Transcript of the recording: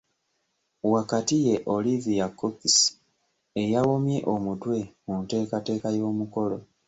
Wakati ye Olivia Cox eyawomye omutwe mu nteekateeka y'omukolo.